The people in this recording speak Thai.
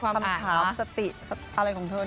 การรับคำถามสติอะไรของเธอ